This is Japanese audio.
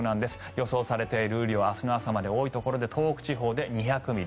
予想されている雨量明日の朝まで多いところで東北地方で２００ミリ